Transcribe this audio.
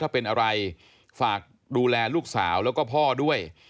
ถ้าเป็นอะไรฝากดูแลลูกสาวแล้วก็พ่อด้วย